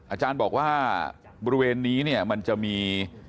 อาจารย์บอกว่าบริเวณนี้เนี่ยมันจะมี